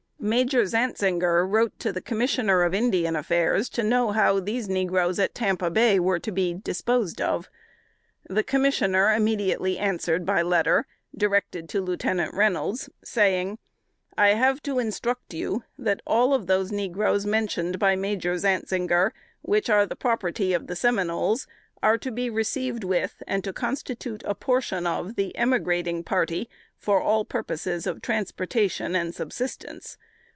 Major Zantzinger wrote the Commissioner of Indian Affairs, to know how these negroes at Tampa Bay were to be disposed of. The Commissioner immediately answered by letter, directed to Lieutenant Reynolds, saying, "I have to instruct you, that all of those negroes mentioned by Major Zantzinger, which are the property of the Seminoles, are to be received with, and to constitute a portion of, the emigrating party for all purposes of transportation and subsistence.